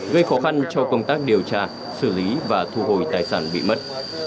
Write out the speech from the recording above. gây khó khăn cho công tác điều tra xử lý và thu hồi tài sản bị mất